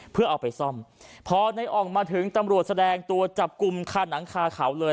เพื่อเอาไปซ่อมพอในอ่องมาถึงตำรวจแสดงตัวจับกลุ่มคาหนังคาเขาเลย